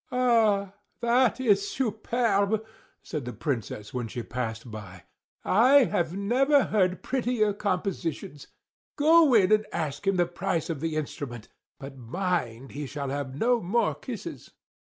"Ah, that is superbe!" said the Princess when she passed by. "I have never heard prettier compositions! Go in and ask him the price of the instrument; but mind, he shall have no more kisses!"